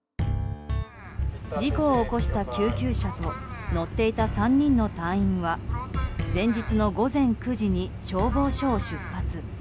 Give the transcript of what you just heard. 事故を起こした救急車と乗っていた３人の隊員は前日の午前９時に消防署を出発。